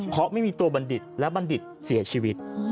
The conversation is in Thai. เพราะไม่มีตัวบัณฑิตและบัณฑิตเสียชีวิต